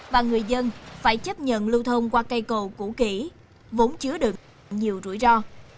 và người dân phải chấp nhận lưu thông qua cây cầu cũ kỹ vốn chứa được nhiều rủi ro